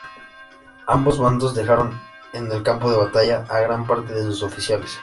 Ambos bandos dejaron en el campo de batalla a gran parte de sus oficiales.